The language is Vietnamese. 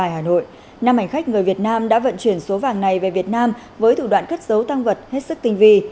năm hành khách người việt nam đã vận chuyển số vàng này về việt nam với thủ đoạn cất dấu tăng vật hết sức tình vì